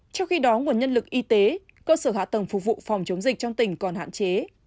trong khi đó nguồn nhân lực y tế cơ sở hạ tầng phục vụ phòng chống dịch trong tỉnh còn hạn chế